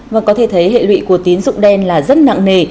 và có thể thấy hệ lụy của tín dụng đen là rất nặng nề